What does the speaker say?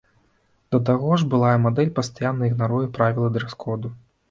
Да таго ж, былая мадэль пастаянна ігнаруе правілы дрэс-коду.